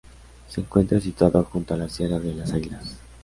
Se encuentra situado junto a la Sierra de las Águilas.